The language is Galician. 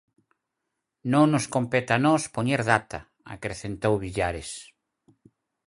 Non nos compete a nós poñer data, acrecentou Villares.